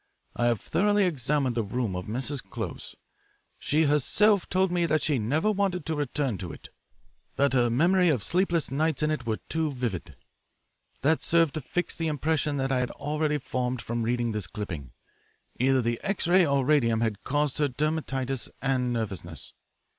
I have thoroughly examined the room of Mrs. Close. She herself told me she never wanted to return to it, that her memory of sleepless nights in it was too vivid. That served to fix the impression that I had already formed from reading this clipping. Either the X ray or radium had caused her dermatitis and nervousness.